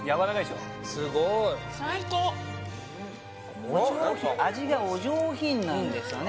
すごい最高あ何か味がお上品なんですよね